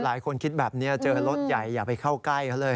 หลายคนคิดแบบนี้เจอรถใหญ่อย่าไปเข้าใกล้เขาเลย